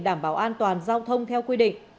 đảm bảo an toàn giao thông theo quy định